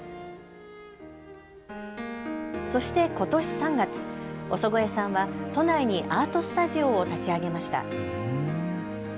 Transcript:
そしてことし３月、尾曽越さんは都内にアートスタジオを立ち上げました。